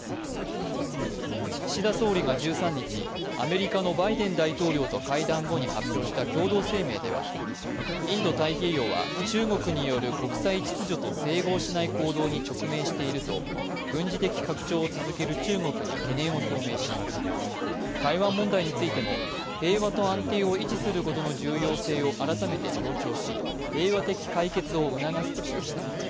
岸田総理が１３日、アメリカのバイデン大統領と会談後に発表した共同声明ではインド太平洋は中国による国際秩序と整合しない行動に直面していると軍事的拡張を続ける中国に懸念を表明し台湾問題についても平和と安定を維持することの重要性を改めて強調し平和的解決を促すとしました。